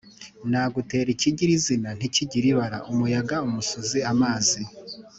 Nagutera ikigira izina ntikigire ibara-Umuyaga - Umusuzi - Amazi